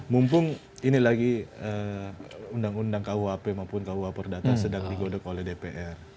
mumpung ini lagi undang undang kuap maupun kuap perdata sedang digodok oleh dpr